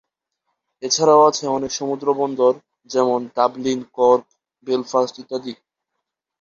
এছাড়াও আছে অনেক সমুদ্রবন্দর, যেমন ডাবলিন, কর্ক, বেলফাস্ট, ইত্যাদি।